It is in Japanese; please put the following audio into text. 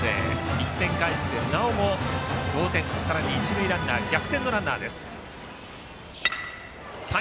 １点を返してなおも同点さらに一塁ランナーは逆転のランナーです。